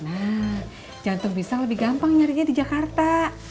nah jantung pisang lebih gampang nyarinya di jakarta